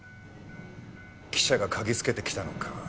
記者が嗅ぎつけてきたのか。